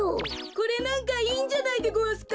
これなんかいいんじゃないでごわすか？